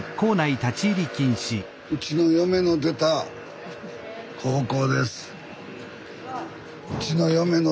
うちの嫁の出た高校。